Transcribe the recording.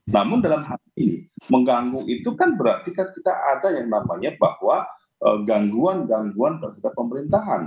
namun dalam hal ini mengganggu itu kan berarti kan kita ada yang namanya bahwa gangguan gangguan terhadap pemerintahan